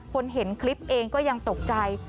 เห็นคลิปเองก็ยังตกใจ